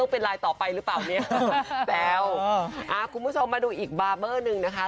เป็นลายต่อไปหรือเปล่าเนี้ยแปลวอ่าคุณผู้ชมมาดูอีกหนึ่งนะคะ